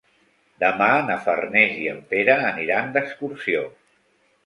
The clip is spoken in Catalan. Demà na Farners i en Pere aniran d'excursió.